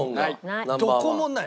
どこもない！